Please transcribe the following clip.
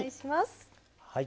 はい。